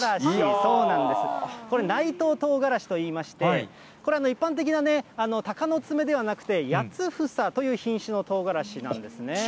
そうなんです、これ、内藤とうがらしといいまして、これは一般的な鷹の爪ではなくて、八房という品種のとうがらしなんですね。